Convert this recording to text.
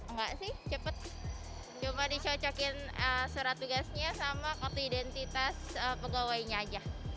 enggak sih cepet cuma dicocokin surat tugasnya sama kartu identitas pegawainya aja